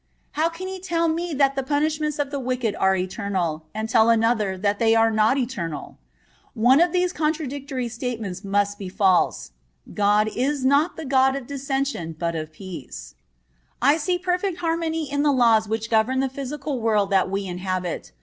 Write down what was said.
How can He tell me that the punishments of the wicked are eternal, and tell another that they are not eternal? One of these contradictory statements must be false. "God is not the God of dissension, but of peace."(26) I see perfect harmony in the laws which govern the physical world that we inhabit.